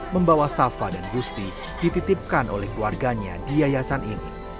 membawa safa dan gusti dititipkan oleh keluarganya di yayasan ini